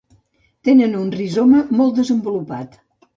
Tenen un rizoma molt desenvolupat.